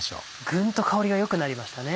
ぐんと香りが良くなりましたね。